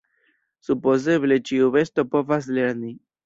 Supozeble ĉiu besto povas lerni.